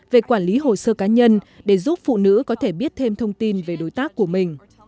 về quản lý hồ sơ cá nhân để giúp phụ nữ có thể biết thêm thông tin về đối tác của mình